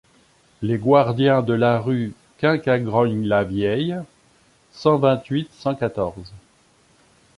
Les guardiens de la rue Quincangrogne Lavieille cent vingt-huit cent quatorze.